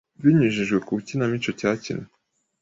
Binyujijwe mu Kinamico cyakinwe